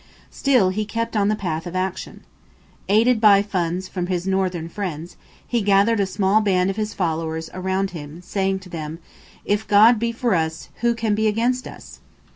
Still he kept on the path of "action." Aided by funds from Northern friends, he gathered a small band of his followers around him, saying to them: "If God be for us, who can be against us?"